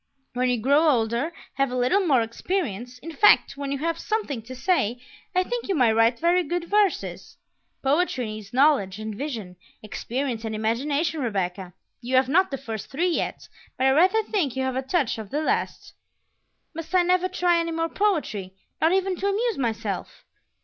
When you grow older, have a little more experience, in fact, when you have something to say, I think you may write very good verses. Poetry needs knowledge and vision, experience and imagination, Rebecca. You have not the first three yet, but I rather think you have a touch of the last." "Must I never try any more poetry, not even to amuse myself?"